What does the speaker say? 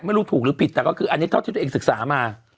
ถูกหรือผิดแต่ก็คืออันนี้เท่าที่ตัวเองศึกษามา